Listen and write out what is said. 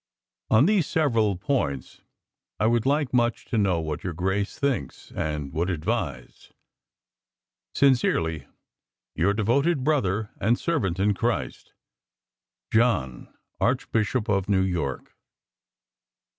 On these several points I would like much to know what your Grace thinks and would advise. Sincerely your devoted brother and servant in Christ. JOHN, Archbishop of New York.